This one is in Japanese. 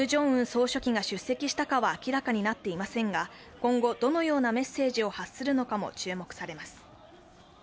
総書記が出席したかは明らかになっていませんが今後どのようなメッセージを発するのかも注目されます。